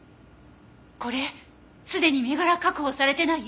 これすでに身柄確保されてない？